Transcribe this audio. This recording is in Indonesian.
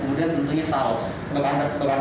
iya habis ini jenis daging